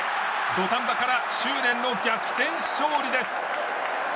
土壇場から執念の逆転勝利です。